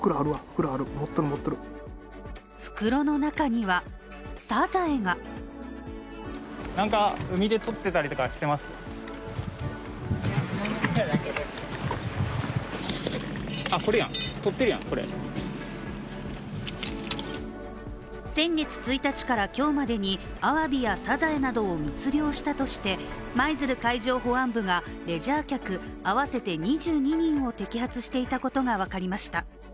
袋の中には、サザエが先月１日から今日までにアワビやサザエなどを密漁したとして舞鶴海上保安部がレジャー客合わせて２２人を摘発していたことが分かりました。